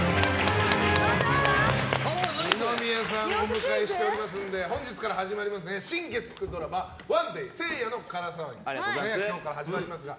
二宮さんをお迎えしてますので本日から始まる新月９ドラマ「ＯＮＥＤＡＹ聖夜のから騒ぎ」が今日から始まりますが。